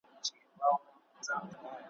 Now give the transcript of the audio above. مه کوه په چا چي وبه سي په تا ,